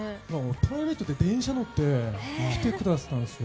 プライベートで電車に乗って来てくださったんですよ。